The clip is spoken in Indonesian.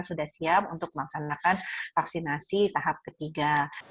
sudah siap untuk melaksanakan vaksinasi tahap ketiga